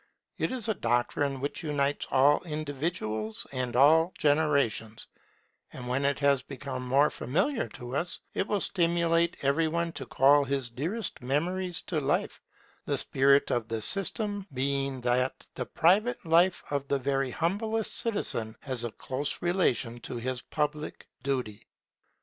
It is a doctrine which unites all individuals and all generations; and when it has become more familiar to us, it will stimulate every one to call his dearest memories to life; the spirit of the system being that the private life of the very humblest citizen has a close relation to his public duty.